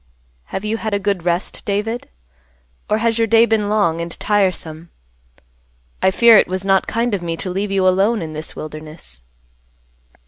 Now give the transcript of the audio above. "Have you had a good rest, David? Or has your day been long and tiresome? I fear it was not kind of me to leave you alone in this wilderness."